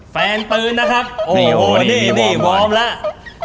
ปืนนะครับโอ้โหนี่นี่วอร์มแล้ว